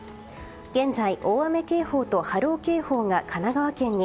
現在、大雨警報と波浪警報が神奈川県に。